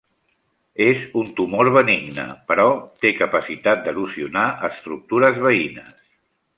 És un tumor benigne però té capacitat d'erosionar estructures veïnes.